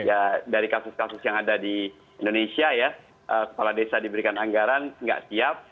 karena dalam kasus kasus yang ada di indonesia ya kepala desa diberikan anggaran nggak siap